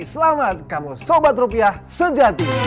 selamat kamu sobat rupiah sejati